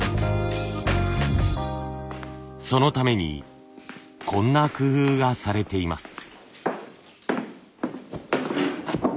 そのためにこんな工夫がされています。